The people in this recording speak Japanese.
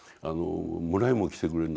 村へも来てくれるなと。